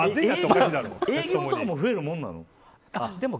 営業とかも増えるもんなの？